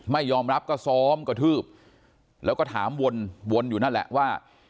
ไม่ยอมรับก็ซ้อมกระทืบแล้วก็ถามวนวนอยู่นั่นแหละว่า